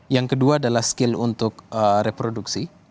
yang kedua adalah skill untuk reproduksi